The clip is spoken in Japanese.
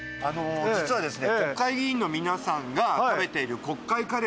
実はですね。